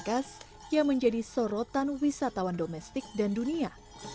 khas yang menjadi sorotan wisatawan domestik dan dunia